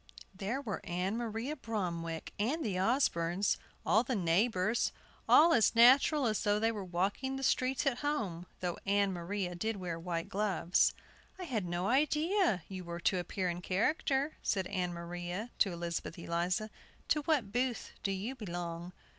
There were Ann Maria Bromwick and the Osbornes, all the neighbors, all as natural as though they were walking the streets at home, though Ann Maria did wear white gloves. "I had no idea you were to appear in character," said Ann Maria to Elizabeth Eliza; "to what booth do you belong?"